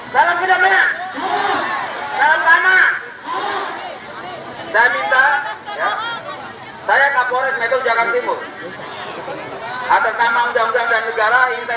salam sejahtera maaf suatu